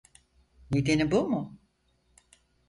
Nedeni bu mu?